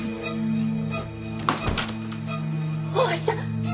大橋さん！